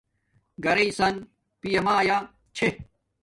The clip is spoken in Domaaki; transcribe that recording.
گھرݵݵ سن پیامایے چھے